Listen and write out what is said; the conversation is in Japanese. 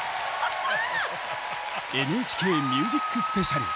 「ＮＨＫＭＵＳＩＣＳＰＥＣＩＡＬ」。